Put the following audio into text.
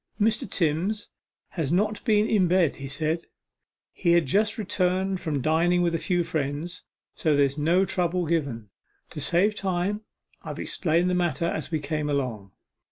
'Mr. Timms has not been in bed,' he said; 'he had just returned from dining with a few friends, so there's no trouble given. To save time I explained the matter as we came along.